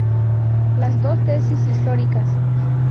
Las dos tesis históricas.